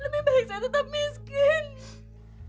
lebih baik saya tetap miskin